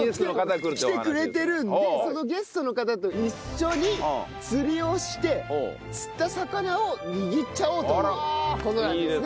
来てくれてるんでそのゲストの方と一緒に釣りをして釣った魚を握っちゃおうという事なんですね。